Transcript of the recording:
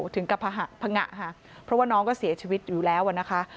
ถึงกับพังงะค่ะเพราะว่าน้องก็เสียชีวิตอยู่แล้วนะคะ